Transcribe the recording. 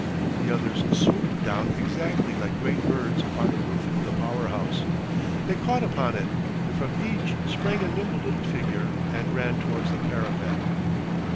The others swooped down exactly like great birds upon the roof of the power house. They caught upon it, and from each sprang a nimble little figure and ran towards the parapet.